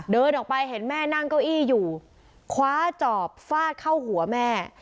เดินออกไปเห็นแม่นั่งเก้าอี้อยู่คว้าจอบฟาดเข้าหัวแม่